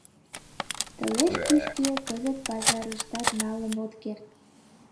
Тылеч кӱшкӧ кызыт пазарыштат налын от керт.